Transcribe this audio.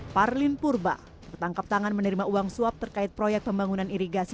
parlin purba tertangkap tangan menerima uang suap terkait proyek pembangunan irigasi